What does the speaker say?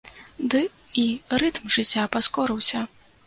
Ды і рытм жыцця паскорыўся.